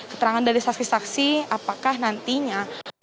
keterangan dari saksi saksi apakah nantinya